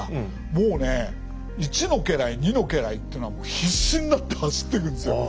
もうね１の家来２の家来っていうのはもう必死になって走ってくんですよ。